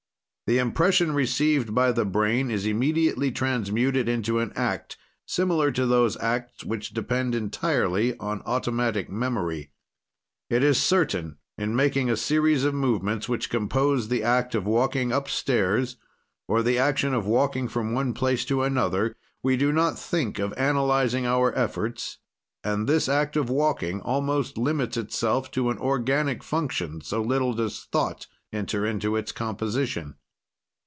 "The impression received by the brain is immediately transmuted into an act, similar to those acts which depend entirely on automatic memory. "It is certain in making a series of movements, which compose the act of walking upstairs or the action of walking from one place to another, we do not think of analyzing our efforts and this act of walking almost limits itself to an organic function, so little does thought enter into its composition.